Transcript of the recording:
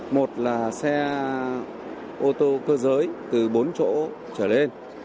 một là xe ô tô cơ giới từ bốn chỗ trở lên